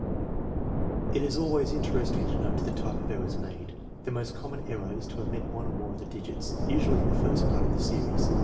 It is always interesting to note the type of errors made. The most common error is to omit one or more of the digits, usually in the first part of the series.